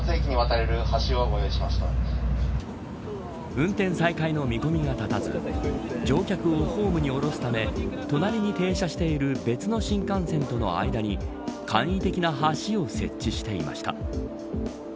運転再開の見込みが立たず乗客をホームに降ろすため隣に停車している別の新幹線との間に簡易的な橋を設置していました。